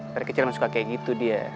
dari kecil suka kayak gitu dia